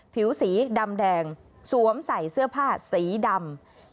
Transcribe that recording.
ผิวสีดำแดงสวมใส่เสื้อผ้าสีดำ